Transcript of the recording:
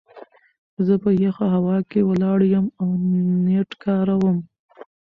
زه په يخه هوا کې ولاړ يم او نيټ کاروم.